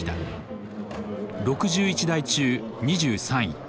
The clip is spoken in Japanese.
６１台中２３位。